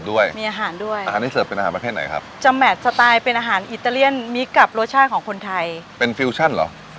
ชอบอาหารแบบไหน